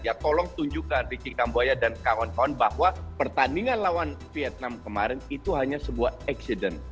ya tolong tunjukkan ricky kamboja dan kawan kawan bahwa pertandingan lawan vietnam kemarin itu hanya sebuah accident